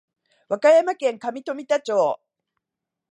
和歌山県上富田町